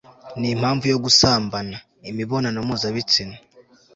n'impamvu yo gusambana. imibonano mpuzabitsina